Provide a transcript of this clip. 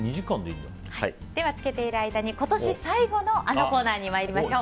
漬けている間に今年最後のあのコーナーに参りましょう。